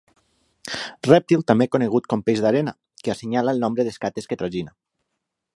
Rèptil també conegut com peix d'arena que assenyala el nombre d'escates que tragina.